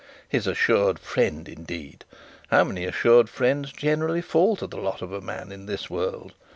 His assured friend, indeed! How many assured friends generally fall to the lot of a man in this world?